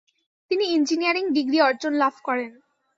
তিনি engineering degree অর্জন লাভ করেন।